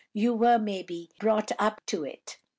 You were, maybe, brought up to it.